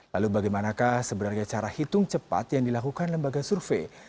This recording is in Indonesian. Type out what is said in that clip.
lalu bagaimanakah sebenarnya cara hitung cepat yang dilakukan lembaga survei